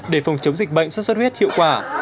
để phòng chống dịch bệnh xuất xuất huyết hiệu quả